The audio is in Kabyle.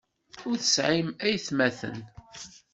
Ur tesɛim aytmaten.